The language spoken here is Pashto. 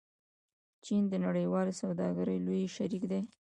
چین د نړیوالې سوداګرۍ لوی شریک دی.